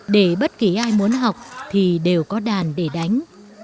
để bất kỳ ai muốn học thì đều có đàn để đánh